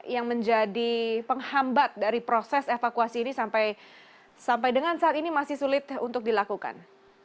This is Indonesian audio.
yang menjadi penghambat dari proses evakuasi ini sampai dengan saat ini masih sulit untuk dilakukan